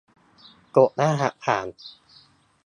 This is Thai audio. กดรหัสผ่าน